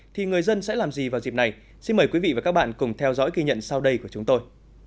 thì người dân sẽ làm gì vào dịp này xin mời quý vị và các bạn cùng theo dõi ghi nhận sau đây của chúng tôi